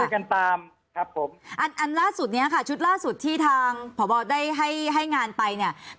กันตามครับผมอันอันล่าสุดเนี้ยค่ะชุดล่าสุดที่ทางพบได้ให้ให้งานไปเนี่ย